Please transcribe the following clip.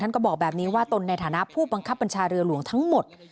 ก็บอกแบบนี้ว่าตนในฐานะผู้บังคับบัญชาเรือหลวงทั้งหมด